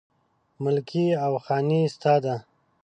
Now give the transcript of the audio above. ملکي او خاني ستا ده